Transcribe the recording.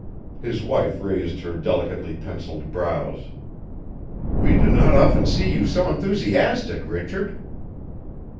His wife raised her delicately penciled brows. "We do not often see you so enthusiastic, Richard."